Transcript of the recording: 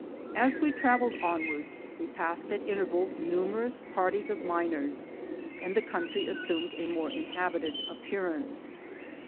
As we traveled onwards, we passed at intervals numerous parties of miners, and the country assumed a more inhabited appearance.